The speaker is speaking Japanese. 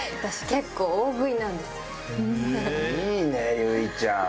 いいね由衣ちゃん。